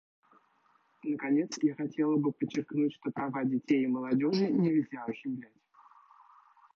Наконец, я хотела бы подчеркнуть, что права детей и молодежи нельзя ущемлять.